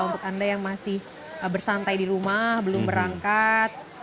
untuk anda yang masih bersantai di rumah belum berangkat